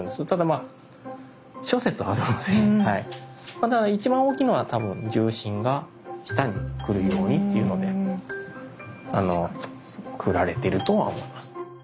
ただ一番大きいのは多分重心が下に来るようにっていうのであの作られてるとは思います。